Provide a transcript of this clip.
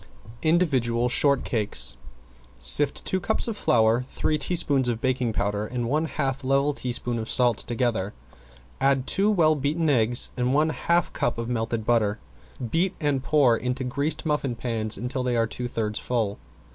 ~INDIVIDUAL SHORTCAKES~ Sift two cups of flour, three teaspoons of baking powder, and one half level teaspoon of salt together. Add two well beaten eggs and one half cup of melted butter. Beat and pour into greased muffin pans until they are two thirds full.